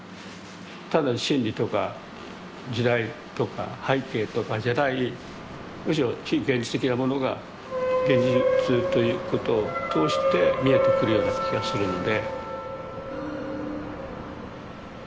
単なる心理とか時代とか背景とかじゃないむしろ非現実的なものが現実ということを通して視えてくるような気がするので。